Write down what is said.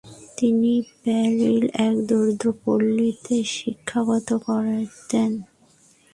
তিনি প্যারির এক দরিদ্র পল্লীতে শিক্ষকতা করতেন।